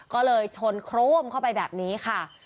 ก็เลยชนโครมเข้าไปแบบนี้ค่ะ